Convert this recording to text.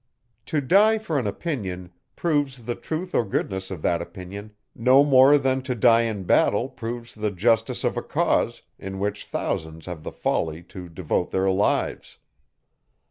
To die for an opinion, proves the truth or goodness of that opinion no more than to die in battle proves the justice of a cause, in which thousands have the folly to devote their lives.